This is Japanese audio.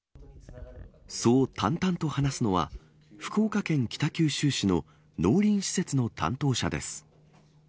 そう淡々と話すのは、福岡県北九州市の農林施設の担当者です。